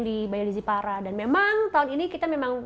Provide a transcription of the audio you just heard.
di bayu lizipara dan memang tahun ini kita memang